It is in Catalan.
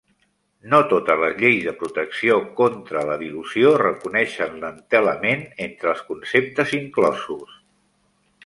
No totes les lleis de protecció contra la dilució reconeixen l'entelament entre els conceptes inclosos.